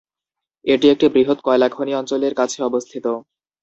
এটি একটি বৃহৎ কয়লাখনি অঞ্চলের কাছে অবস্থিত।